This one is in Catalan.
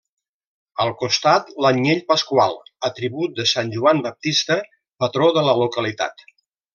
Al costat, l'anyell pasqual, atribut de sant Joan Baptista, patró de la localitat.